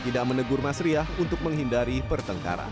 tidak menegur mas riah untuk menghindari pertengkaran